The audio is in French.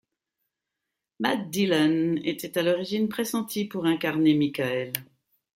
Matt Dillon était à l'origine pressenti pour incarner Michael.